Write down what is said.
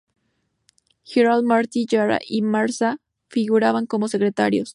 Giral, Martí Jara y Marsá figuraban como secretarios.